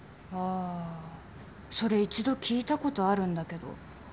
あーそれ一度聞いたことあるんだけど。